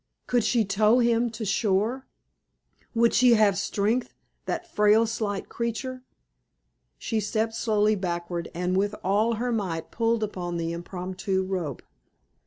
Could she tow him to shore? Would she have strength that frail, slight creature? She stepped slowly backward, and with all her might pulled upon the impromptu rope.